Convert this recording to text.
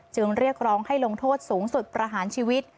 เรียกร้องให้ลงโทษสูงสุดประหารชีวิต